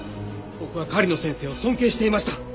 僕は狩野先生を尊敬していました。